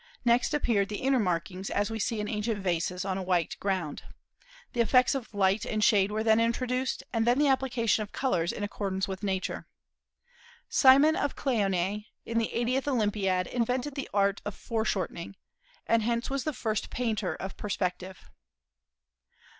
Next appeared the inner markings, as we see in ancient vases, on a white ground. The effects of light and shade were then introduced; and then the application of colors in accordance with Nature. Cimon of Cleonae, in the eightieth Olympiad, invented the art of "fore shortening," and hence was the first painter of perspective.